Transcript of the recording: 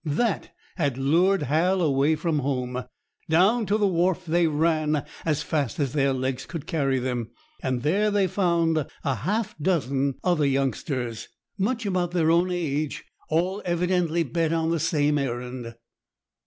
—that had lured Hal away from home. Down to the wharf they ran as fast as their legs could carry them, and there they found half a dozen other youngsters much about their own age, all evidently bent on the same errand.